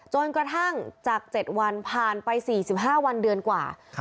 จนกระทั่งจาก๗วันผ่านไป๔๕วันเดือนกว่า